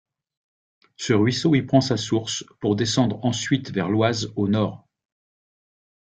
Ce ruisseau y prend sa source pour descendre ensuite vers l'Oise, au nord.